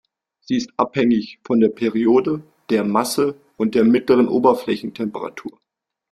Sie ist abhängig von der Periode, der Masse und der mittleren Oberflächentemperatur.